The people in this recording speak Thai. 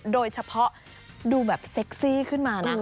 โดยเฉพาะดูแบบเซ็กซี่ขึ้นมานะ